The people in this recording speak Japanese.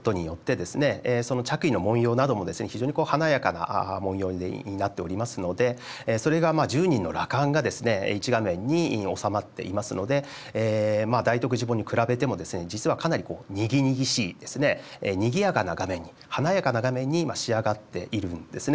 その着衣の紋様なども非常に華やかな紋様になっておりますのでそれが１０人の羅漢が一画面に収まっていますので「大徳寺本」に比べても実はかなりこうにぎにぎしいにぎやかな画面に華やかな画面に仕上がっているんですね。